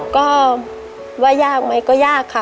ก็ว่ายากไหมก็ยากค่ะ